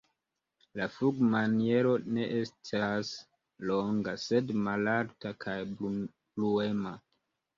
La flugmaniero ne estas longa, sed malalta kaj bruema.